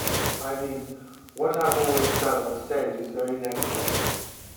I mean, what I've always done onstage is very natural.